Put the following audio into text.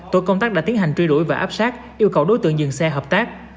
tổ công tác đã tiến hành truy đuổi và áp sát yêu cầu đối tượng dừng xe hợp tác